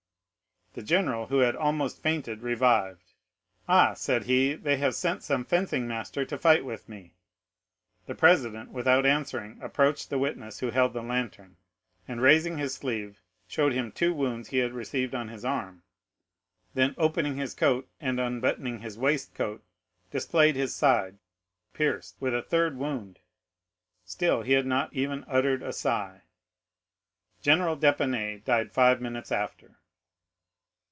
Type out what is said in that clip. The general, who had almost fainted, revived. "Ah," said he, "they have sent some fencing master to fight with me." The president, without answering, approached the witness who held the lantern, and raising his sleeve, showed him two wounds he had received in his arm; then opening his coat, and unbuttoning his waistcoat, displayed his side, pierced with a third wound. Still he had not even uttered a sigh. General d'Épinay died five minutes after.